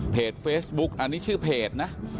เฟซบุ๊กอันนี้ชื่อเพจนะ